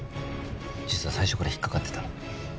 実は最初から引っかかってた。